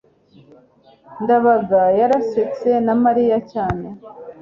ndabaga yarasetse na mariya cyane